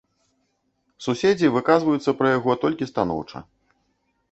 Суседзі выказваюцца пра яго толькі станоўча.